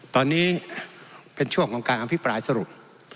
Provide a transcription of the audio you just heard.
ตอนนี้เป็นช่วงของการอภิปรายสรุป